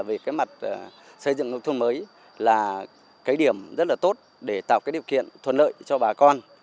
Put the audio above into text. về cái mặt xây dựng nông thôn mới là cái điểm rất là tốt để tạo cái điều kiện thuận lợi cho bà con